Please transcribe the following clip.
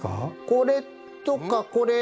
これとかこれ。